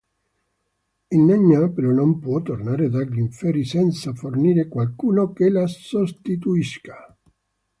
Inanna però non può tornare dagli inferi senza fornire qualcuno che la sostituisca.